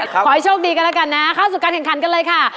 ขอให้โชคดีกันแล้วกันนะเข้าสู่การแข่งขันกันเลยค่ะ